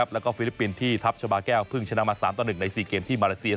แล้วก็ฟิลิปปินส์ที่ทัพชาบาแก้วเพิ่งชนะมา๓ต่อ๑ใน๔เกมที่มาเลเซีย